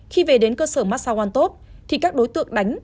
khi về đến cơ sở massa one top thì các đối tượng đánh